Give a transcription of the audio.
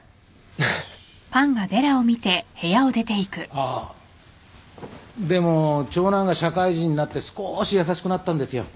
あっでも長男が社会人になって少し優しくなったんですよ。